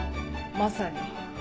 まさに。